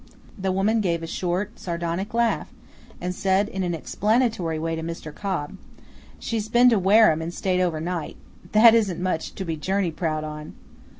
The woman gave a short sardonic laugh and said in an explanatory way to Mr. Cobb, "She's been to Wareham and stayed over night; that isn't much to be journey proud on!"